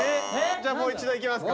じゃあもう一度いきますか。